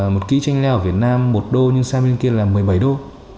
một ký chanh leo ở việt nam một đô nhưng xa bên kia là một mươi bảy đô